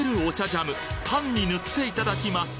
ジャムパンに塗っていただきます